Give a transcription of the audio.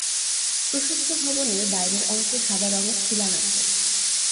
প্রশস্ত ভবনের বাইরের অংশে সাদা রঙের খিলান আছে।